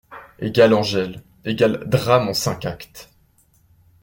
=Angèle.= Drame en cinq actes.